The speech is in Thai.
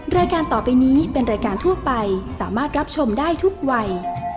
รายการต่อไปนี้เป็นรายการทั่วไปสามารถรับชมได้ทุกวัย